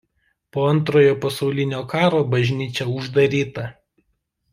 Po Antrojo pasaulinio karo bažnyčia uždaryta.